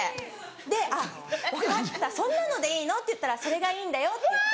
で「あっ分かったそんなのでいいの？」って言ったら「それがいいんだよ」って言って。